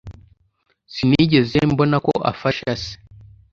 Sinigeze mbona ko afasha se